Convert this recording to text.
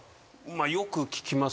よく聞きます。